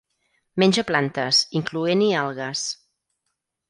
Menja plantes, incloent-hi algues.